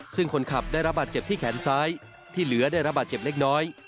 ซึ่งคนขับได้รับบาดเจ็บที่แขนซ้ายที่เหลือได้รับบาดเจ็บเล็กน้อย